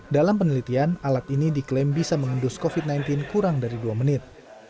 dalam penelitian alat ini diklaim bisa mengendus covid sembilan belas kurang dari dua menit